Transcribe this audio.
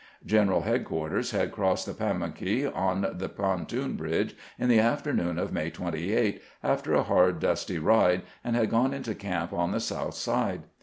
General headquarters had crossed the Pamunkey on the pontoon bridge in the afternoon of May 28, after a hard, dusty ride, and had gone into camp on the south side.